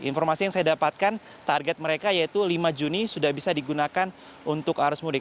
informasi yang saya dapatkan target mereka yaitu lima juni sudah bisa digunakan untuk arus mudik